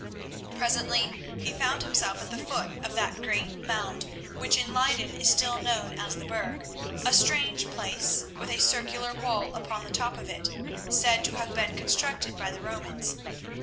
Presently he found himself at the foot of that great mound which in Leyden is still known as the Burg, a strange place with a circular wall upon the top of it, said to have been constructed by the Romans.